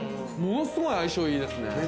ものすごい相性いいですね。